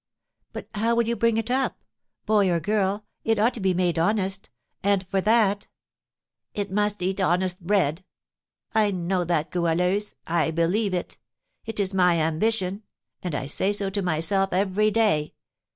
"But how will you bring it up? Boy or girl, it ought to be made honest; and for that " "It must eat honest bread. I know that, Goualeuse, I believe it. It is my ambition; and I say so to myself every day.